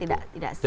tidak tidak tidak